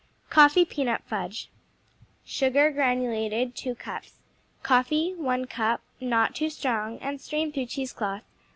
Coffee Peanut Fudge Sugar (granulated), 2 cups Coffee, 1 cup (Not too strong, and strain through cheesecloth.)